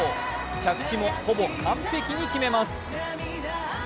着地もほぼ完璧に決めます。